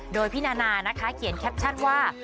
โดยพี่นานานะคะเขียนแคปชั่นว่า